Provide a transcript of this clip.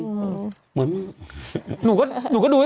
แคร่รู้สึกว่า